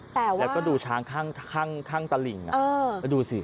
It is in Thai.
แล้วก็ดูช้างข้างตลิ่งแล้วดูสิ